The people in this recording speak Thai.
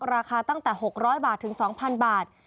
ราคาตั้งแต่๖๐๐บาทถึง๒๐๐บาท